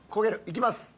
いきます！